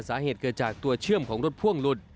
สาเหตุเกิดจากตัวเชื่อมของรถพ่วงหลุด